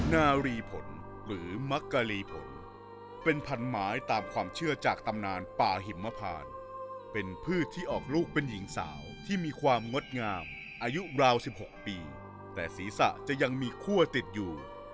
นารีผลหรือมักกะลีผลเป็นพันหมายตามความเชื่อจากตำนานป่าหิมพานเป็นพืชที่ออกลูกเป็นหญิงสาวที่มีความงดงามอายุราว๑๖ปีแต่ศีรษะจะยังมีคั่วติดอยู่